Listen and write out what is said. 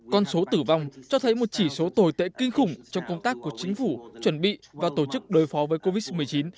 con số tử vong cho thấy một chỉ số tồi tệ kinh khủng trong công tác của chính phủ chuẩn bị và tổ chức đối phó với covid một mươi chín